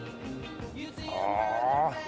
ああ。